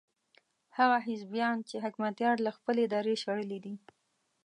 هغه حزبيان چې حکمتیار له خپلې درې شړلي دي.